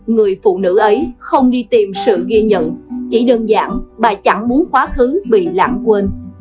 người phụ nữ ấy không đi tìm sự ghi nhận chỉ đơn giản bà chẳng muốn quá khứ bị lãng quên